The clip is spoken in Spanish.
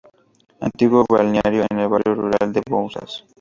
Antiguo balneario en el barrio rural de Bouzas.